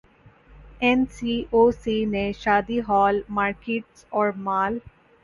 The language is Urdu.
این سی او سی نے شادی ہال، مارکیٹس اور مال